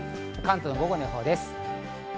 関東の午後の予報です。